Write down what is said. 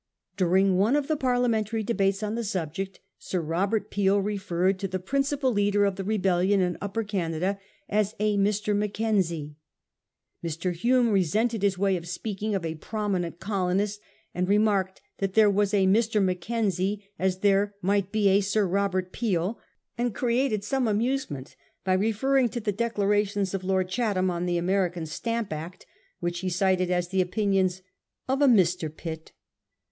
During one of the Parlia mentary debates on the subject, Sir Robert Peel re ferred to the principal leader of the rebellion in Upper Canada as ' a Mr. Mackenzie.' Mr. Hume resented this way of speaking of a prominent colonist, and re marked that ' there was a Mr. Mackenzie as there might be a Sir Robert Peel,' and created some amuse ment by referring to the declarations of Lord Cha tham on the American Stamp Act, which he cited as the opinions of 'a Mr. Pitt.